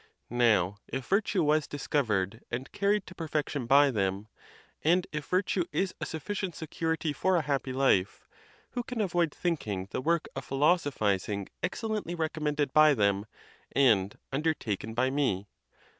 Now, if virtue was discovered and carried to perfection by them, and if virtue is a sufficient securi ty for a happy life, who can avoid thinking the work of philosophizing excellently recommended by them, and un dertaken by me?